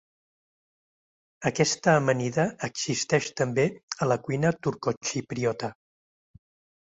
Aquesta amanida existeix també a la cuina turcoxipriota.